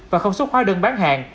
và không xuất khoi đơn bán hàng